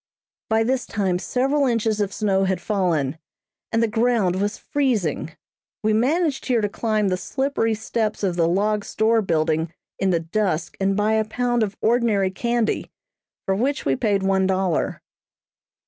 By this time several inches of snow had fallen, and the ground was freezing. We managed here to climb the slippery steps of the log store building in the dusk and buy a pound of ordinary candy, for which we paid one dollar.